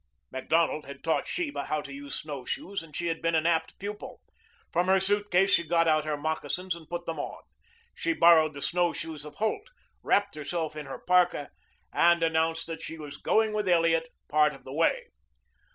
Macdonald had taught Sheba how to use snowshoes and she had been an apt pupil. From her suitcase she got out her moccasins and put them on. She borrowed the snowshoes of Holt, wrapped herself in her parka, and announced that she was going with Elliot part of the way.